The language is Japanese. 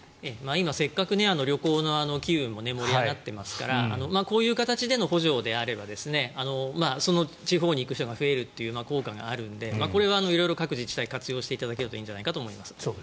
今、せっかく旅行の機運も盛り上がっていますからこういう形での補助であればその地方に行く人が増えるという効果があるのでこれは色々、各自治体活用していただけるといいんじゃないかと思います。